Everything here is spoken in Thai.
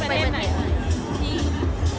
ไปที่ไหน